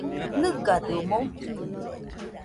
¿Nɨgadɨomoɨ?